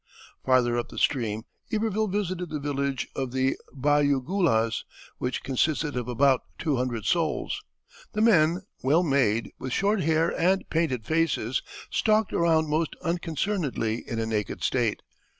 Farther up the stream Iberville visited the village of the Bayougoulas, which consisted of about two hundred souls. The men, well made, with short hair and painted faces, stalked around most unconcernedly in a naked state.